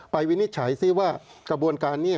วินิจฉัยซิว่ากระบวนการนี้